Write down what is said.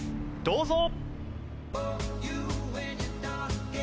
どうぞ。